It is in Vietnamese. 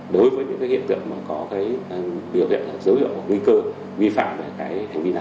đối với những hiện tượng có biểu hiện dấu hiệu nguy cơ vi phạm về hành vi này